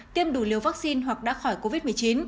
tiêm đủ liều vaccine hoặc đã khỏi covid một mươi chín